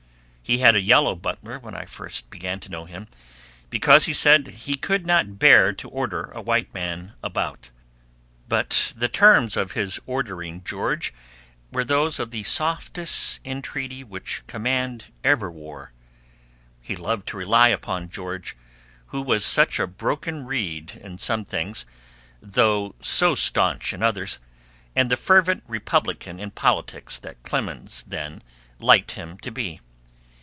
He had a yellow butler when I first began to know him, because he said he could not bear to order a white man about, but the terms of his ordering George were those of the softest entreaty which command ever wore. He loved to rely upon George, who was such a broken reed in some things, though so stanch in others, and the fervent Republican in politics that Clemens then liked him to be.